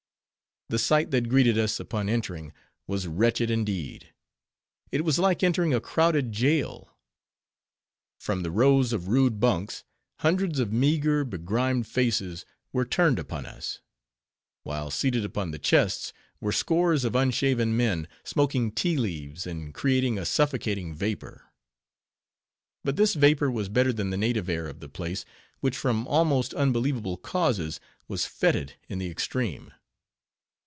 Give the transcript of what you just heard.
The sight that greeted us, upon entering, was wretched indeed. It was like entering a crowded jail. From the rows of rude bunks, hundreds of meager, begrimed faces were turned upon us; while seated upon the chests, were scores of unshaven men, smoking tea leaves, and creating a suffocating vapor. But this vapor was better than the native air of the place, which from almost unbelievable causes, was fetid in the extreme.